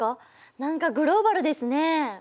何かグローバルですね。